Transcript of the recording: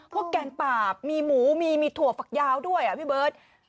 แกงปาบมีหมูมีถั่วฝักยาวด้วยพี่เบิร์ต